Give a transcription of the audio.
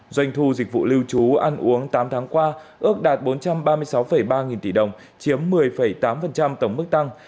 doanh thu dịch vụ lưu trú ăn uống tám tháng qua ước đạt bốn trăm ba mươi sáu ba nghìn tỷ đồng chiếm một mươi tám tổng mức tăng